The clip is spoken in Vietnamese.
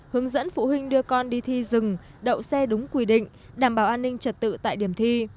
hướng dẫn phụ huynh đưa con đi thi rừng đậu xe đúng quy định đảm bảo an ninh trật tự tại điểm thi